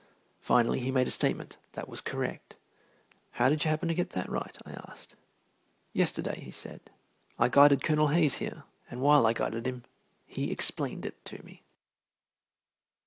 Finally he made a statement that was correct. "How did you happen to get that right?" I asked. "Yesterday," he said, "I guided Colonel Hayes here, and while I guided him he explained it to me."